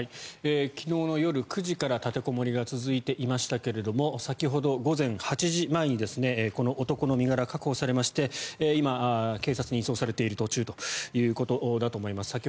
昨日の夜９時から立てこもりが続いていましたが先ほど午前８時前にこの男の身柄が確保されまして今、警察に移送されている途中ということだと思います。